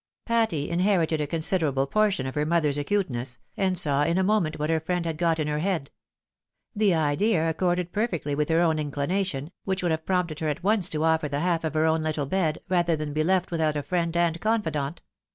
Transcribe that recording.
Patty inherited a considerable portion of her mother's acute ness, and saw in a moment what her friend had got in her head. The idea accorded perfectly with her own inclination, which would have prompted her at once to offer the half of her own little bed, rather than be left without a friend and confidant.